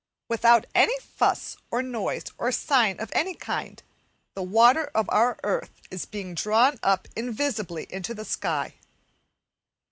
Without any fuss or noise or sign of any kind, the water of our earth is being drawn up invisibly into the sky.